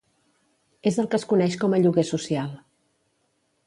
És el que es coneix com a lloguer social.